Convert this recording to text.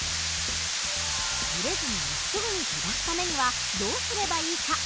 ブレずにまっすぐに飛ばすためにはどうすればいいか？